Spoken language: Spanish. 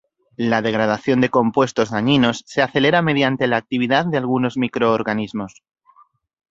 La degradación de compuestos dañinos se acelera mediante la actividad de algunos microorganismos.